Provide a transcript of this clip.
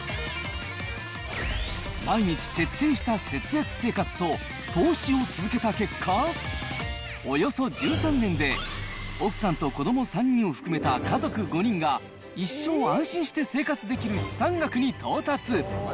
毎日徹底した節約生活と投資を続けた結果、およそ１３年で、奥さんと子ども３人を含めた家族５人が、一生安心して生活できる資産額に到達！